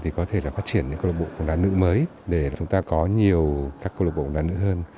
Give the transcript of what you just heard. thì có thể là phát triển những club bộ bóng đá nữ mới để chúng ta có nhiều các club bộ bóng đá nữ hơn